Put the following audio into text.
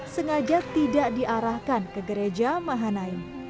sengaja tidak diarahkan ke gereja mahanaim